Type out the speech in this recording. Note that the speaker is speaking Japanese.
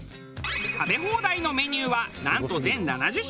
食べ放題のメニューはなんと全７０種類以上。